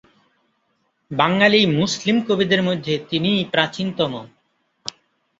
বাঙালি মুসলিম কবিদের মধ্যে তিনিই প্রাচীনতম।